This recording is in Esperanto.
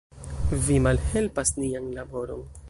Vi malhelpas nian laboron.